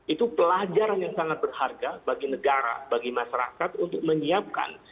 itu pelajaran yang sangat berharga bagi negara bagi masyarakat untuk menyiapkan